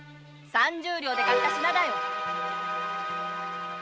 三十両で買った品だよ。